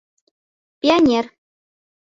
ПИОНЕР